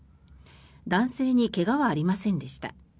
男性に怪我はありませんでした。